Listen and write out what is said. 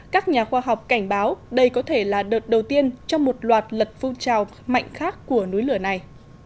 các nhà khoa học cảnh báo đây có thể là đợt đầu tiên trong một loạt lật phun trào mạnh khác của núi lửa này